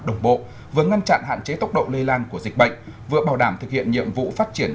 đồng bộ vừa ngăn chặn hạn chế tốc độ lây lan của dịch bệnh vừa bảo đảm thực hiện nhiệm vụ phát triển